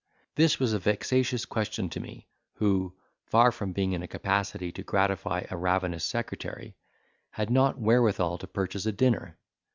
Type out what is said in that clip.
This was a vexatious question to me who (far from being in a capacity to gratify a ravenous secretary) had not wherewithal to purchase a dinner.